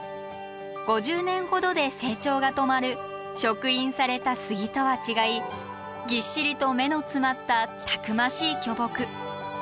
５０年ほどで成長が止まる植林されたスギとは違いぎっしりと目の詰まったたくましい巨木。